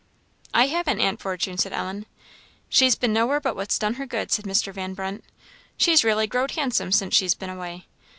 "I haven't, Aunt Fortune," said Ellen. "She's been nowhere but what's done her good," said Mr. Van Brunt; "she's reely growed handsome since she's been away."